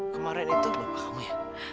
kemaren itu bapak kamu ya